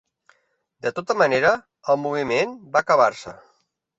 De tota manera, el moviment va acabar-se.